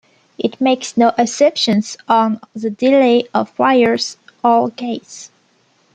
It makes no assumptions on the delay of wires or gates.